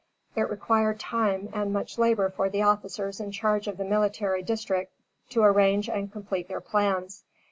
It required time and much labor for the officers in charge of the military district to arrange and complete their plans.